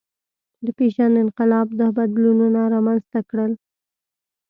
د پېژند انقلاب دا بدلونونه رامنځ ته کړل.